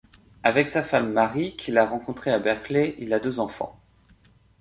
Avec sa femme Mary, qu'il a rencontrée à Berkeley, il a deux enfants.